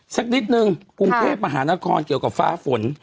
สักนิดนึงมหานครเยี่ยวเกี่ยวกับฟ้าฝน